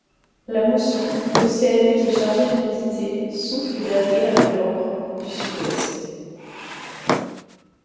La mousson, océanique et chargée d'humidité, souffle d'avril à novembre, du sud-ouest.